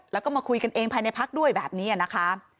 แล้วก็มาคุยกันเองภายในพักด้วยแบบนี้นะคะ